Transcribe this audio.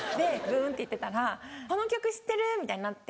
ブンって行ってたらこの曲知ってる！みたいになって。